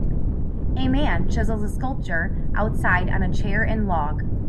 A man chisels a sculpture outside on a chair and log.